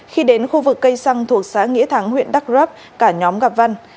khi đến khu vực cây xăng thuộc xã nghĩa thắng huyện đắk rấp cả nhóm gặp văn